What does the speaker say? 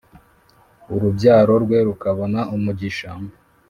Urubyaro rwe rukabona umugisha